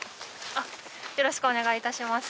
あっよろしくお願いいたします。